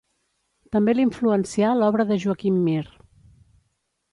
També l'influencià l'obra de Joaquim Mir.